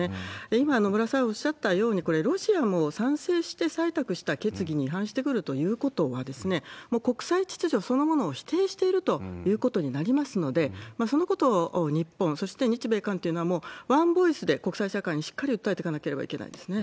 今、野村さんおっしゃったように、これ、ロシアも賛成して採択した決議に違反してくるということはですね、もう国際秩序そのものを否定しているということになりますので、そのことを日本、そして日米韓っていうのは、ワンボイスで国際社会にしっかり訴えてかなきゃいけないですね。